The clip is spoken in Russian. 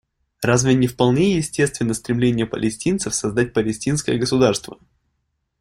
Разве не вполне естественно стремление палестинцев создать палестинское государство?